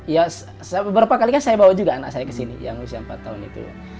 ya beberapa kali kan saya bawa juga anak saya ke sini yang usia empat tahun itu